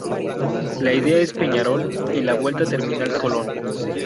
La ida es Peñarol y la vuelta Terminal Colón.